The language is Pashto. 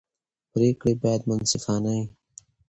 پرېکړې باید منصفانه وي